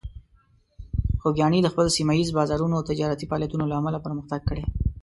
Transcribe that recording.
خوږیاڼي د خپل سیمه ییز بازارونو او تجارتي فعالیتونو له امله پرمختګ کړی.